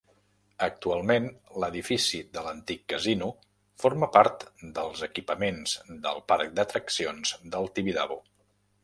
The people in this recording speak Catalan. Actualment, l'edifici de l'antic casino forma part dels equipaments del parc d'atraccions del Tibidabo.